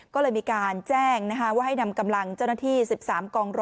ก็เลยมีการแจ้งว่าให้นำกำลังเจ้าหน้าที่๑๓กอง๑๐๐